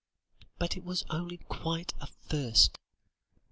But, it was only quite at first.